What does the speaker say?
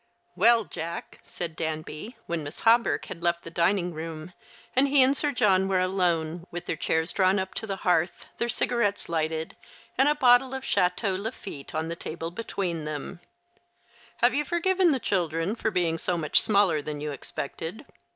ELL, Jack," saidDanby, when Miss Hawberk bad left the dining room, and he and Sir 3:| John were alone, with their U,^l chairs drawn up to the hearth, their cigarettes lighted, and a bottle of Chateau Lafitte on the table between them, " Have 3^011 forgiven the children for being so much smaller than you expected